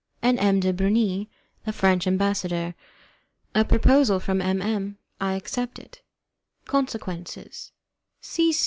and M. de Bernis, the French Ambassador A Proposal from M. M.; I Accept It Consequences C. C.